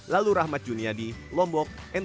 lalu rahmat juniadi lombok ntb